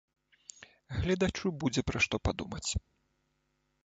Гледачу будзе, пра што падумаць.